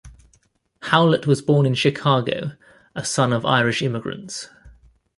Howlett was born in Chicago, a son of Irish immigrants.